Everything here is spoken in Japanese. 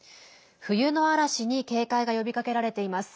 冬の嵐に警戒が呼びかけられています。